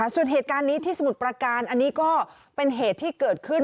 ส่วนเหตุการณ์นี้สมุดประการเป็นเหตุที่เกิดขึ้น